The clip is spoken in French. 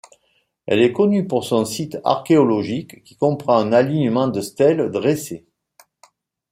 Elle est connue pour son site archéologique, qui comprend un alignement de stèles dressées.